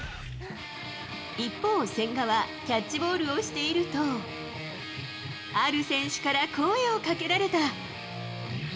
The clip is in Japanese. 一方、千賀はキャッチボールをしていると、ある選手から声をかけられた。